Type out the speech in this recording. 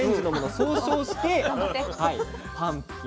総称してパンプキン。